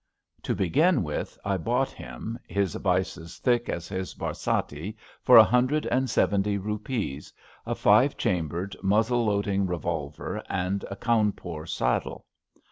To begin with, I bought him, his vices thick as his barsati, for a hundred and seventy rupees, a five chambered, muzzle loading revolver, and a Cawnpore saddle.